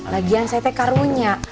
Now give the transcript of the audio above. lagian saya kan karunya